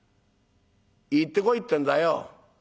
行ってこいってえんだよ。